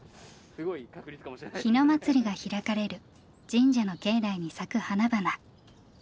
日野祭が開かれる神社の境内に咲く花々。